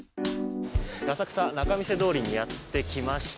浅草・仲見世通りにやってきました。